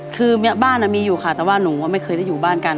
คือบ้านมีอยู่ค่ะแต่ว่าหนูไม่เคยได้อยู่บ้านกัน